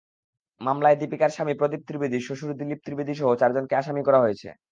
মামলায় দীপিকার স্বামী প্রদীপ ত্রিবেদী, শ্বশুর দিলীপ ত্রিবেদীসহ চারজনকে আসামি করা হয়েছে।